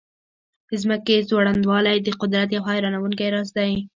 د ځمکې ځوړندوالی د قدرت یو حیرانونکی راز دی.